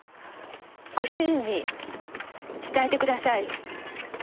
ご主人に伝えてください。